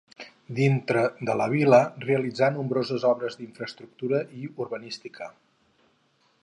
Dintre de la vila realitzà nombroses obres d'infraestructura i urbanística.